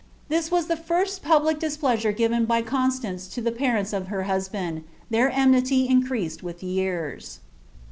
This was the lirst public dtsplo wire given by Constance to the parents of her husband ; their cniniir increased with years."